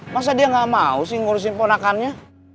masa dia gak mau sih ngurusin ponakannya